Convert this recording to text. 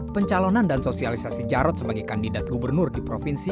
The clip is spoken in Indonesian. pencalonan dan sosialisasi jarod sebagai kandidat gubernur di provinsi